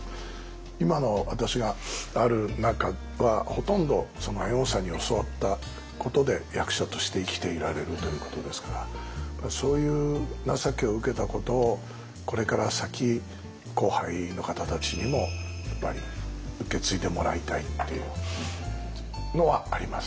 今の私がある中はほとんど猿翁さんに教わったことで役者として生きていられるということですからそういう情けを受けたことをこれから先後輩の方たちにもやっぱり受け継いでもらいたいっていうのはあります。